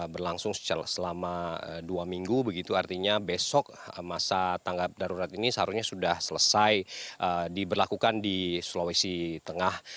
berlangsung selama dua minggu begitu artinya besok masa tanggap darurat ini seharusnya sudah selesai diberlakukan di sulawesi tengah